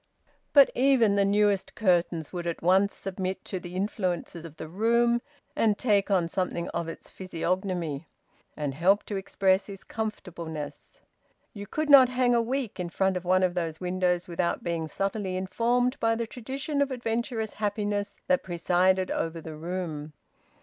But even the newest curtains would at once submit to the influence of the room, and take on something of its physiognomy, and help to express its comfortableness. You could not hang a week in front of one of those windows without being subtly informed by the tradition of adventurous happiness that presided over the room.